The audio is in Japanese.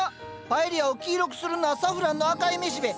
パエリアを黄色くするのはサフランの赤い雌しべ。